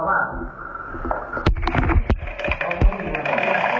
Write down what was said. เร็วสาวมา